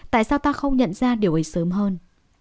tại sao ta không nhận ra điều ấy sớm hơn